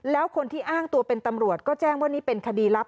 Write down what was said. แล้วคนที่อ้างตัวเป็นตำรวจก็แจ้งว่านี่เป็นคดีลับ